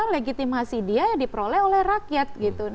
legitimasi dia ya diperoleh oleh rakyat gitu